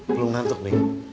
belum nantuk nih